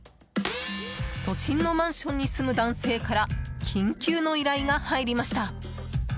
都心のマンションに住む男性から緊急の依頼が入りました。